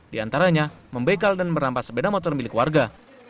di antaranya membekal dan merampas sepeda motor milik warga